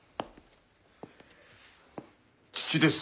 父です。